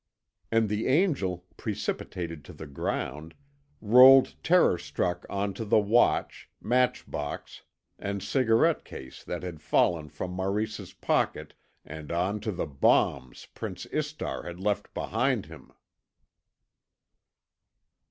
And the angel, precipitated to the ground, rolled terror struck on to the watch, match box and cigarette case that had fallen from Maurice's pocket, and on to the bombs Prince Istar had left behind him.